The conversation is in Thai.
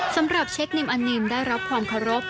สำหรับเชคนิมอันนิมได้รับความเคารพ